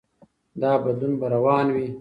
دا بدلون به روان وي.